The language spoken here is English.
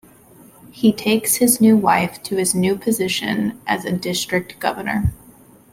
He takes his new wife to his new position as a district governor.